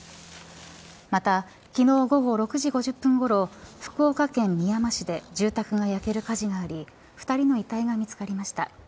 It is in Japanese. また、昨日午後６時５０分ごろ福岡県みやま市で住宅が焼ける火事があり２人の遺体が見つかりました。